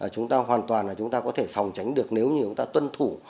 chúng ta hoàn toàn là chúng ta có thể phòng tránh được nếu như chúng ta tuân thủ